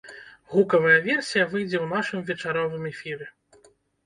Гукавая версія выйдзе ў нашым вечаровым эфіры.